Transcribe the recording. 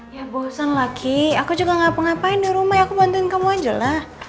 ya bosan lagi aku juga gak apa apain di rumah ya aku bantuin kamu aja lah